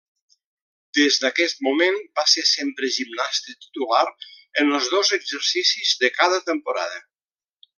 Des d'aquest moment va ser sempre gimnasta titular en els dos exercicis de cada temporada.